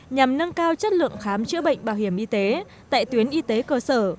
nhằm nâng cao chất lượng khám chữa bệnh bảo hiểm y tế tại tuyến y tế cơ sở